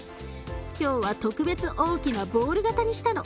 今日は特別大きなボール形にしたの。